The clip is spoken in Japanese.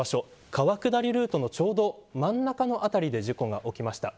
川下りルートのちょうど真ん中の辺りで事故が起きました。